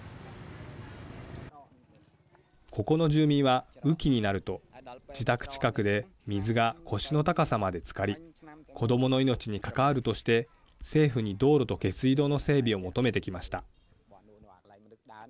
ここの住民は、雨期になると自宅近くで水が腰の高さまでつかり子どもの命に関わるとして政府に道路と下水道の整備を求めてきました。